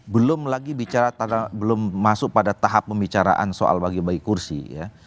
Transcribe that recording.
belum lagi bicara belum masuk pada tahap pembicaraan soal bagi bagi kursi ya